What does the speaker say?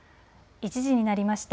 １時になりました。